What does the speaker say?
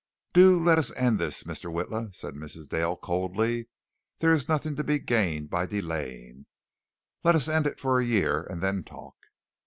"Do let us end this, Mr. Witla," said Mrs. Dale coldly, "there is nothing to be gained by delaying. Let us end it for a year, and then talk."